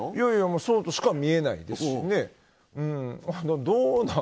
そうとしか見えないですしね。